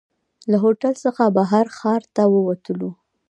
له هوټل څخه بهر ښار ته ووتلو.